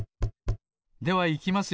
ではいきますよ。